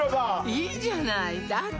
いいじゃないだって